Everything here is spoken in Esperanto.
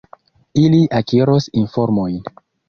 Ili akiros informojn.